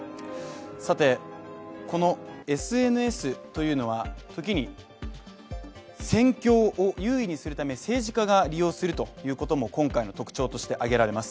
このＳＮＳというのは、時に戦況を優位にするため政治家が利用することも今回の特徴として挙げられます。